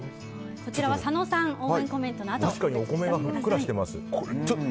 こちらは佐野さん応援コメントのあと確かにお米がふっくらしています。